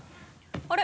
あれ？